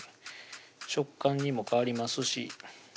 食感にも変わりますし